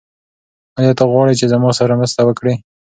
آیا ته غواړې چې زما سره مرسته وکړې؟